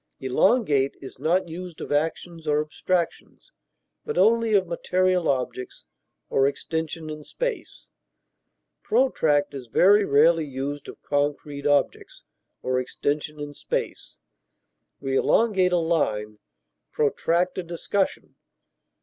Elongate is not used of actions or abstractions, but only of material objects or extension in space; protract is very rarely used of concrete objects or extension in space; we elongate a line, protract a discussion.